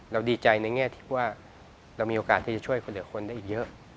เราดีใจในแง่ว่าเรามีโอกาสที่จะช่วยคนเกี่ยวคนได้เยอะ